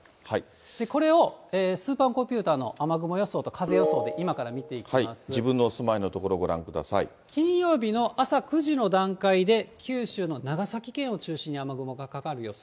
これをスーパーコンピューターの雨雲予想と風予想で今から見自分のお住まいの所ご覧くだ金曜日の朝９時の段階で、九州の長崎県を中心に雨雲がかかる予想。